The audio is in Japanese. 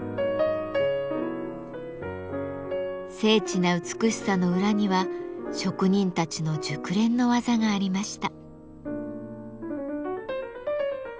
精緻な美しさの裏には職人たちの熟練の技がありました。